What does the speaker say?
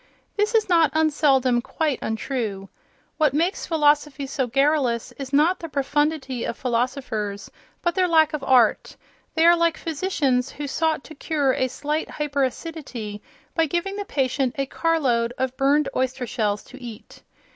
This is not unseldom quite untrue. What makes philosophy so garrulous is not the profundity of philosophers, but their lack of art; they are like physicians who sought to cure a slight hyperacidity by giving the patient a carload of burned oyster shells to eat.